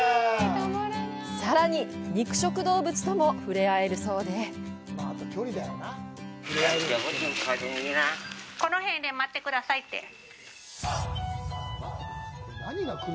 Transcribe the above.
さらに、肉食動物とも触れ合えるそうでこの辺で待ってくださいって。